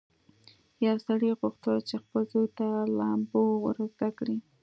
یو سړي غوښتل چې خپل زوی ته لامبو ور زده کړي.